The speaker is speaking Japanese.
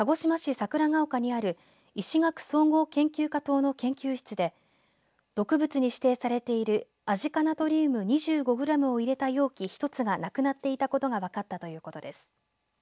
桜ヶ丘にある医歯学総合研究科棟の研究室で毒物に指定されているアジ化ナトリウム２５グラムを入れた容器一つがなくなっていたことが分かったということです。